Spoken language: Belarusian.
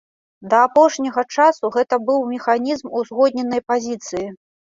Да апошняга часу гэта быў механізм узгодненай пазіцыі.